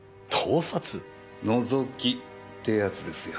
「のぞき」ってやつですよ。